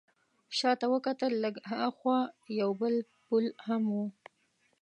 شا ته وکتل، لږ ها خوا یو بل پل هم و.